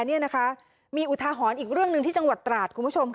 มีอุทาหรณ์อีกเรื่องหนึ่งเมืองที่จังหวัดตราดคุณผู้ชม